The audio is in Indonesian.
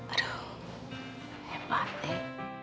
aduh hebat eh